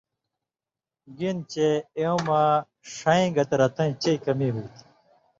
گِنہۡ چے اېوں مہ ݜَیں گت رَتیں چئ کمی ہُوئ تھی۔